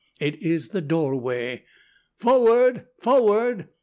It is the doorway. "Forward! Forward!"